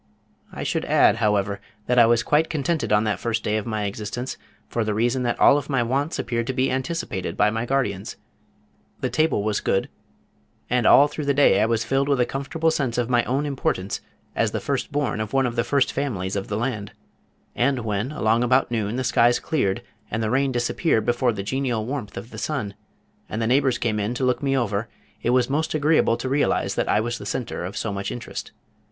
I should add, however, that I was quite contented on that first day of my existence for the reason that all of my wants appeared to be anticipated by my guardians, the table was good, and all through the day I was filled with a comfortable sense of my own importance as the first born of one of the first families of the land, and when along about noon the skies cleared, and the rain disappeared before the genial warmth of the sun, and the neighbors came in to look me over, it was most agreeable to realize that I was the center of so much interest.